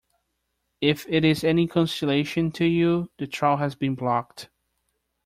If it is any conciliation to you, the troll has been blocked.